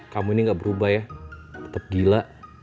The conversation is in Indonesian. kamu ini nggak berubah ya tetep gila